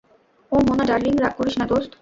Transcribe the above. ও Mona darling, রাগ করিস না দোস্ত!